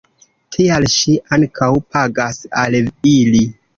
Tial ŝi ankaŭ pagas al ili.